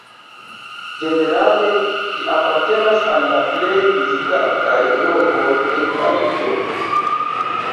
Ĝenerale ĝi apartenas al la plej vizitataj lokoj en Parizo.